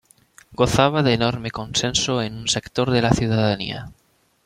Gozaba de enorme consenso en un sector de la ciudadanía.